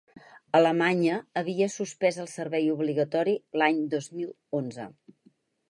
Alemanya havia suspès el servei obligatori l’any dos mil onze.